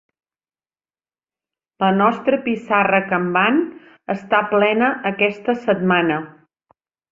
La nostra pissarra Kanban està plena aquesta setmana.